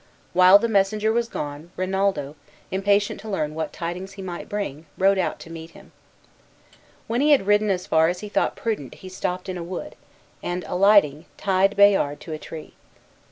While the messenger was gone Rinaldo, impatient to learn what tidings he might bring, rode out to meet him. When he had ridden as far as he thought prudent he stopped in a wood, and alighting, tied Bayard to a tree.